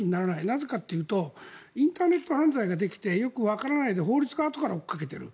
なぜかというとインターネット犯罪ができてよくわからないで法律はあとから追いかけている。